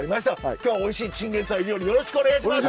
今日はおいしいチンゲンサイ料理よろしくお願いします。